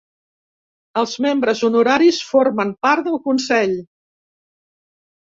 Els membres honoraris formen part del Consell.